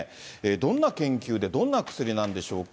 どんな研究でどんな薬なんでしょうか。